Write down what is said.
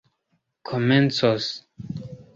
komencos